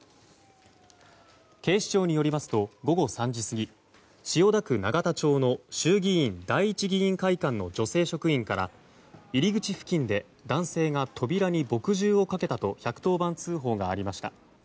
警視庁によりますと午後３時過ぎ、千代田区永田町の衆議院第一議員会館の女性職員から入り口付近で男性が扉に墨汁をかけたと１１０番通報がありました。